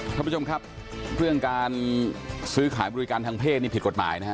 ท่านผู้ชมครับเรื่องการซื้อขายบริการทางเพศนี่ผิดกฎหมายนะฮะ